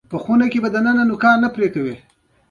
وروسته نوي کلتوري ارزښتونه زیږېږي.